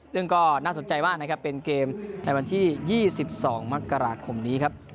ซึ่งก็น่าสนใจมากนะครับเป็นเกมในวันที่๒๒มกราคมนี้ครับ